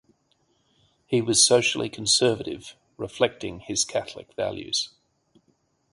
He was socially conservative, reflecting his Catholic values.